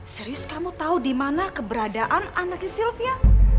serius kamu tau dimana keberadaan anaknya sylvia